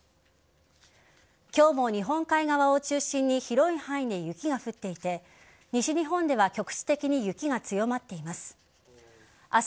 今日も日本海側を中心に広い範囲で雪が降っていて西日本では局地的に雪が強まっています。